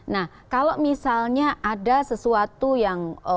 nah kalau misalnya ada sesuatu yang